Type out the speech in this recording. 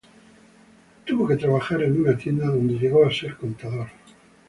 Tuvo que trabajar en una tienda, donde llegó a ser contador.